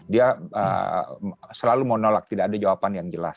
dia selalu menolak tidak ada jawaban yang jelas